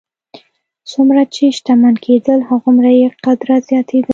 څومره چې شتمن کېدل هغومره یې قدرت زیاتېده.